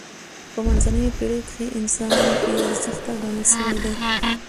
به منځنیو پېړیو کښي انسان بې ارزښته ګڼل سوی دئ.